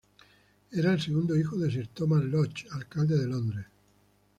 Era el segundo hijo de sir Thomas Lodge, alcalde de Londres.